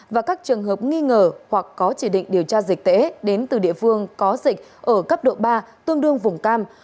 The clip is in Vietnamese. và các trường hợp nghi ngờ hoặc có chỉ định điều tra dịch tễ đến từ địa phương có dịch ở cấp độ ba tương đương vùng cam